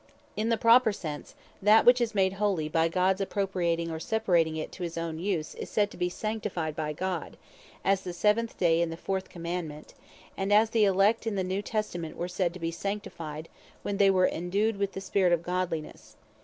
In the proper sense, that which is made Holy by Gods appropriating or separating it to his own use, is said to be Sanctified by God, as the Seventh day in the fourth Commandement; and as the Elect in the New Testament were said to bee Sanctified, when they were endued with the Spirit of godlinesse.